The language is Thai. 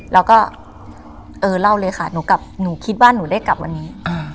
แล้วก็เออเล่าเลยค่ะหนูคิดว่าหนูได้กลับวันนี้